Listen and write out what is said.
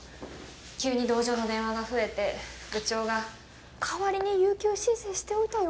急に同情の電話が増えて部長が「代わりに有休申請しておいたよ